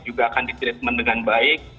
juga akan di treatment dengan baik